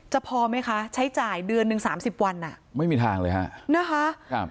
พอไหมคะใช้จ่ายเดือนหนึ่งสามสิบวันอ่ะไม่มีทางเลยฮะนะคะครับ